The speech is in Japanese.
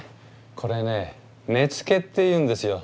これね根付っていうんですよ。